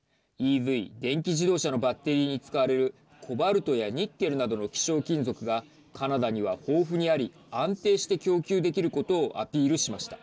ＥＶ＝電気自動車のバッテリーに使われるコバルトやニッケルなどの希少金属がカナダには豊富にあり安定して供給できることをアピールしました。